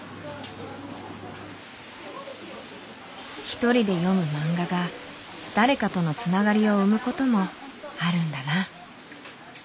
一人で読むマンガが誰かとのつながりを生むこともあるんだな。